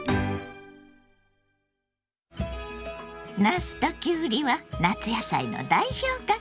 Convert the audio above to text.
なすときゅうりは夏野菜の代表格。